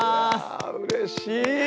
うれしい！